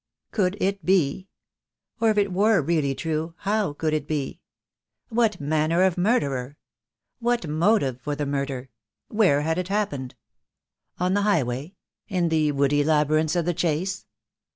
Could it be? Or if it were really true, how could it be? What manner of murderer? What motive for the murder? Where had it happened? On the highway — in the woody labyrinths of the Chase?